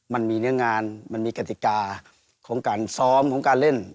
มันมีเนื้องานมันมีกติกาของการซ้อมของการเล่น